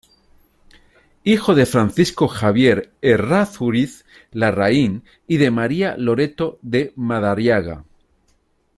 Hijo de Francisco Javier Errázuriz Larraín y de María Loreto de Madariaga.